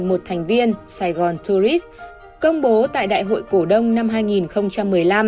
một thành viên sài gòn tourist công bố tại đại hội cổ đông năm hai nghìn một mươi năm